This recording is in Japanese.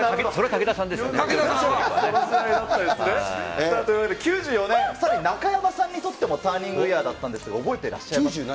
武田さん。というわけで、９４年、さらに中山さんにとってもターニングイヤーだったんですが、覚えていらっしゃいますか？